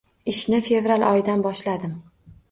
Ishni fevral oyidan boshladim.